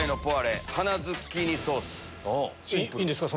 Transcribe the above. いいんですか？